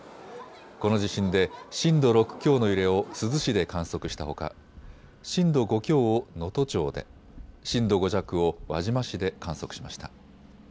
この地震で震度６強の揺れを珠洲市で観測したほか震度５強を能登町で、震度５弱を輪島市で観測しました。